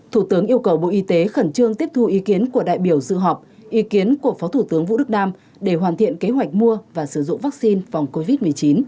thủ tướng yêu cầu bộ y tế khẩn trương tiếp thu ý kiến của đại biểu dự họp ý kiến của phó thủ tướng vũ đức đam để hoàn thiện kế hoạch mua và sử dụng vaccine phòng covid một mươi chín